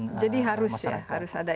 iya jadi harus ya harus ada